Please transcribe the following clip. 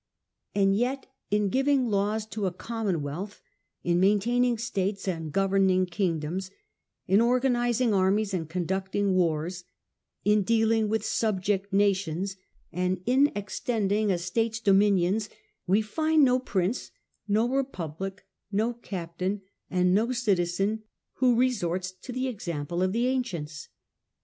And yet, in giving laws to a commonwealth, in maintaining States and governing kingdoms, in organizing armies and conducting wars, in dealing with subject nations, and in extending a State's dominions, we find no prince, no republic, no captain, and no citizen who resorts to the example of the ancients.